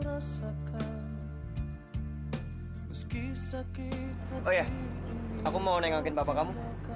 oh ya aku mau nengangkan bapak kamu